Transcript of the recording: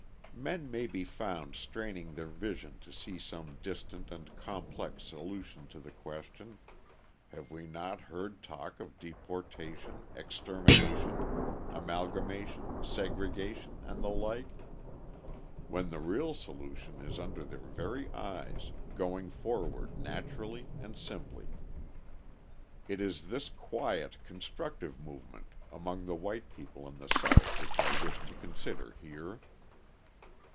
Men may be found straining their vision to see some distant and complex solution to the question (have we not heard talk of deportation, extermination, amalgamation, segregation, and the like?) when the real solution is under their very eyes, going forward naturally and simply. It is this quiet, constructive movement among the white people in the South which I wish to consider here.